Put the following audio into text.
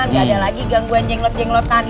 nggak ada lagi gangguan jenglot jenglotan ya pak